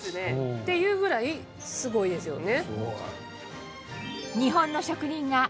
っていうぐらいすごいですよね。